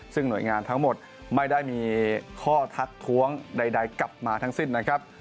ซึ่งหน่วยงานทั้งหมดไม่ได้มีข้อทักท้วงใดกลับมาทั้งสิ้นนะครับ